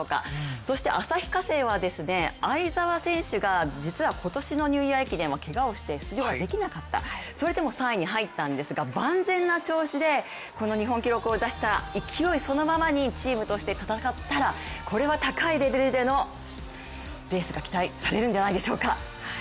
そして旭化成は相澤選手が実は今年のニューイヤー駅伝はけがをして出場ができなかった、それでも３位に入ったんですが、万全な調子で日本記録を出した勢いそのままにチームとして戦ったら、高いレベルでのレースが期待されるんではないでしょうか。